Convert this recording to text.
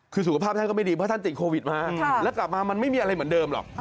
คือสุขภาพท่านก็ไม่ดีเพราะท่านติดโควิดมาแล้วกลับมามันไม่มีอะไรเหมือนเดิมหรอก